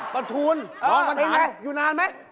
บรรทูลน้องบรรทาน